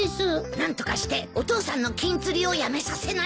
何とかしてお父さんの禁釣りをやめさせないと。